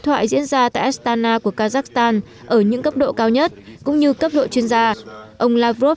thoại diễn ra tại astana của kazakhstan ở những cấp độ cao nhất cũng như cấp độ chuyên gia ông lavrov